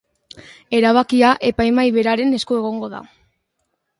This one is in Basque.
Erabakia epaimahai beraren esku egongo da.